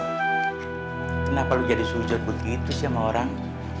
kenapa lo jadi sujud begitu sih sama orang